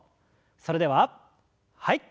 それでははい。